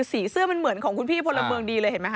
สีเสื้อมันเหมือนของคุณพี่พลเมืองดีเลยเห็นไหมค